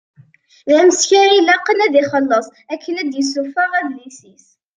D ameskar i ilaqen ad ixelleṣ akken ad d-yessufeɣ adlis-is.